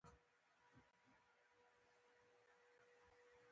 د انسانانو مختلفې موضوع ګانې مطالعه شوې.